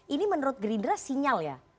ini menurut gerindra sinyal ya